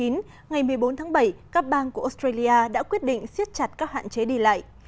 ngày một mươi bốn tháng bảy các bang của australia đã quyết định siết chặt các hạn chế đi lại